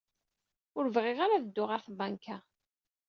Ur bɣiɣ ara ad dduɣ ɣer tbanka.